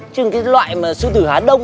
chứ cái loại mà sư tử hán đông